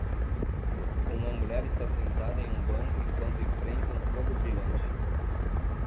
Uma mulher está sentada em um banco enquanto enfrenta um fogo brilhante.